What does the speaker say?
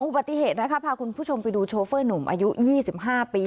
อุบัติเหตุนะคะพาคุณผู้ชมไปดูโชเฟอร์หนุ่มอายุ๒๕ปี